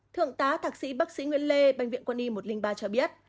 thượng tá thạc sĩ bác sĩ nguyên lê bệnh viện quân y một trăm linh ba cho biết